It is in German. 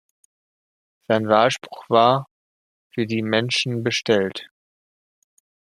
Sein Wahlspruch war "„Für die Menschen bestellt“".